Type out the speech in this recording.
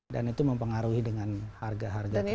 dan itu mempengaruhi dengan harga harga keseluruhan